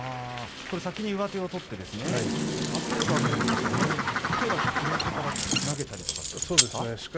先に上手を取って圧力はかけていましたが、なるほど例えば上手から投げたりとかですか。